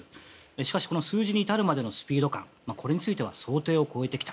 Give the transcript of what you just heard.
しかしこの数字に至るまでのスピード感については想定を超えてきた。